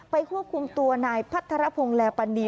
ควบคุมตัวนายพัทรพงศ์แลปันนี